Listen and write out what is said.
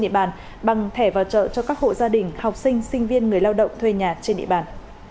địa bàn bằng thẻ vào chợ cho các hộ gia đình học sinh sinh viên người lao động thuê nhà trên địa bàn